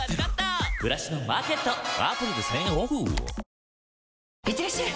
「ビオレ」いってらっしゃい！